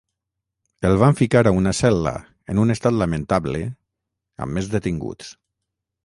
El van ficar a una cel·la, en un estat lamentable, amb més detinguts.